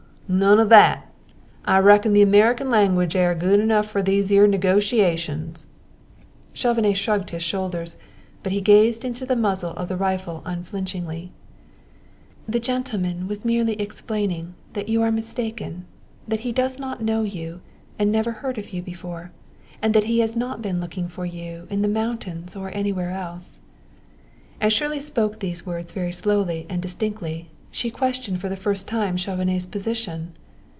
"None o' that! I reckon the American language air good enough for these 'ere negotiations." Chauvenet shrugged his shoulders; but he gazed into the muzzle of the rifle unflinchingly. "The gentleman was merely explaining that you are mistaken; that he does not know you and never heard of you before, and that he has not been looking for you in the mountains or anywhere else." As Shirley spoke these words very slowly and distinctly she questioned for the first time Chauvenet's position.